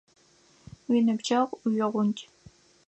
Уиныбджэгъу уигъундж.